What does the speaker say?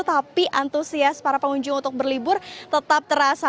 tapi antusias para pengunjung untuk berlibur tetap terasa